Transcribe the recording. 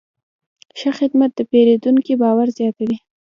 ښه خدمت د پیرودونکي باور زیاتوي.